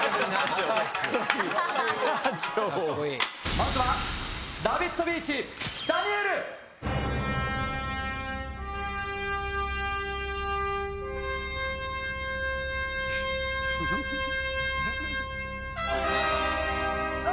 まずは。・あ！